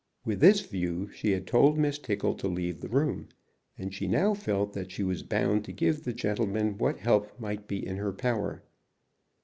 With this view she had told Miss Tickle to leave the room, and she now felt that she was bound to give the gentleman what help might be in her power.